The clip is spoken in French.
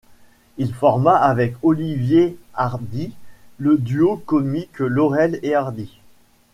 Il forma avec Oliver Hardy, le duo comique Laurel et Hardy.